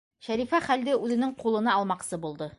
Шәрифә хәлде үҙенең ҡулына алмаҡсы булды.